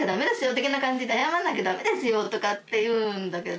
的な感じで「謝んなきゃ駄目ですよ」とかって言うんだけど。